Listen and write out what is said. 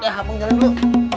dah abang jalan dulu